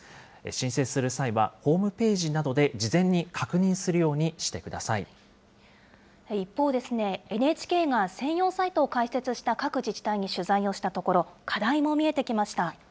申請する際はホームページなどで事前に確認するようにしてくださ一方、ＮＨＫが専用サイトを開設した各自治体に取材をしたところ、課題も見えてきました。